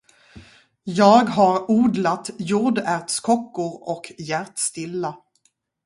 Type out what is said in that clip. Jag har odlat jordärtskockor och hjärtstilla.